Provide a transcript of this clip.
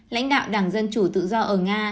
lãnh đạo đảng dân chủ tự do ở nga